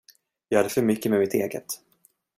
Jag hade för mycket med mitt eget.